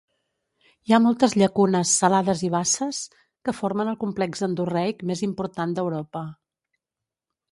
Hi ha moltes llacunes, salades i basses, que formen el complex endorreic més important d'Europa.